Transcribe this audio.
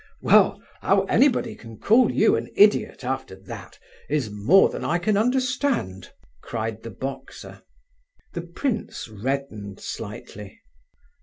"Well, how anybody can call you an idiot after that, is more than I can understand!" cried the boxer. The prince reddened slightly.